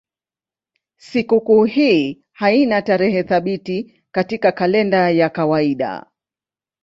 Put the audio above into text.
Sikukuu hii haina tarehe thabiti katika kalenda ya kawaida.